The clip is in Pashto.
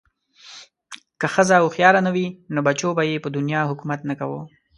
که ښځه هوښیاره نه وی نو بچو به ېې په دنیا حکومت نه کوه